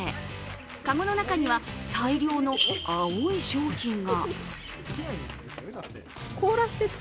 かごの中には大量の青い商品が。